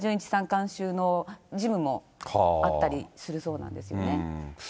監修のジムもあったりするそうなんですね。